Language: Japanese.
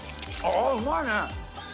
ああ、うまいね。